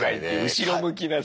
後ろ向きなさ。